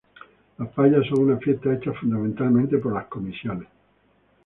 Las fallas son unas fiestas hechas fundamentalmente por las comisiones.